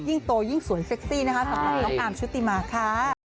ยิ่งโตยิ่งสวยเซ็กซี่นะคะสำหรับน้องอาร์มชุติมาค่ะ